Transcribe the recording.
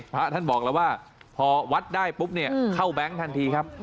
พระท่านบอกแล้วว่าพอวัดได้ปุ๊บเนี่ยเข้าแบงค์ทันทีครับ